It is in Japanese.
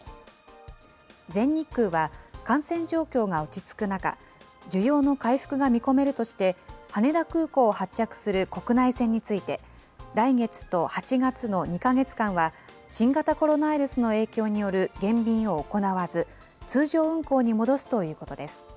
全日空は感染状況が落ち着く中、需要の回復が見込めるとして、羽田空港を発着する国内線について、来月と８月の２か月間は、新型コロナウイルスの影響による減便を行わず、通常運航に戻すということです。